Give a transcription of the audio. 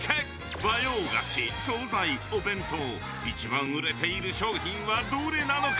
和洋菓子、総菜、お弁当一番売れている商品はどれなのか。